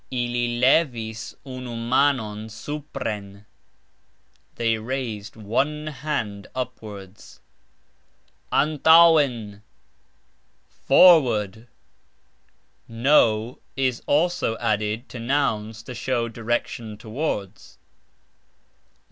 "Ili levis unu manon supren", They raised one hand upwards. "Antauxen"! Forward! ("n" is also added to nouns to show direction towards.